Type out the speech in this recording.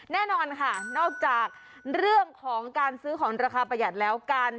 แน่นอนค่ะนอกจากเรื่องของการซื้อของราคาประหยัดแล้ว